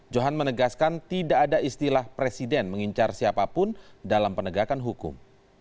johan menegaskan tidak ada istilah presiden mengincar siapapun dalam penegakan hukum